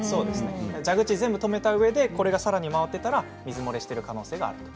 蛇口を全部締めてパイロットが回っていたら水漏れしている可能性があると。